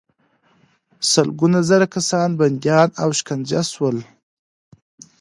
سلګونه زره کسان بندیان او شکنجه شول.